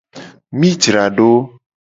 Mi jra do.